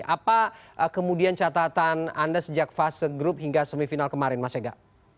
apa kemudian catatan anda sejak fase grup hingga semifinal kemarin mas ega